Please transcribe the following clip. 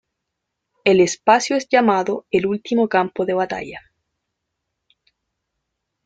El espacio es llamado el último campo de batalla.